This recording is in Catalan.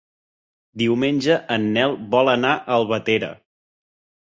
Diumenge en Nel vol anar a Albatera.